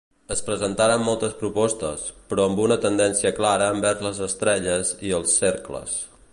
Es presentaren moltes propostes, però amb una tendència clara envers les estrelles i els cercles.